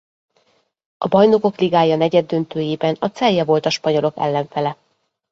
A Bajnokok Ligája negyeddöntőjében a Celje volt a spanyolok ellenfele.